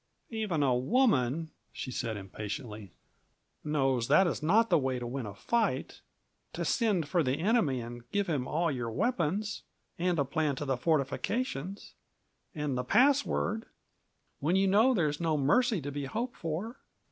"Even a woman," she said impatiently, "knows that is not the way to win a fight to send for the enemy and give him all your weapons, and a plan of the fortifications, and the password; when you know there's no mercy to be hoped for!"